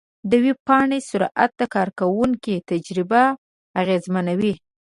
د ویب پاڼې سرعت د کارونکي تجربه اغېزمنوي.